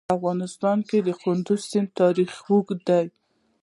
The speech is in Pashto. په افغانستان کې د کندز سیند تاریخ اوږد دی.